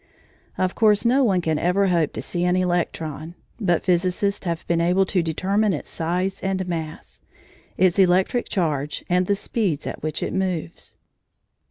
Of course no one can ever hope to see an electron, but physicists have been able to determine its size and mass, its electric charge, and the speeds at which it moves.